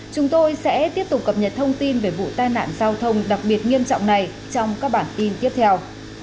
chúng tôi sẽ tiếp tục cập nhật thông tin về vụ tai nạn giao thông đặc biệt nghiêm trọng này trong các bản tin tiếp theo